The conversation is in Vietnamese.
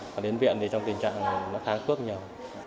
và đến viện thì trong tình trạng nó kháng khước nhiều